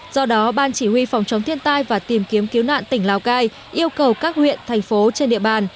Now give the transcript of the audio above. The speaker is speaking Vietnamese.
do đó ban chỉ huy phòng chống thiên tai và tìm kiếm cứu nạn tỉnh lào cai yêu cầu các huyện thành phố trên địa bàn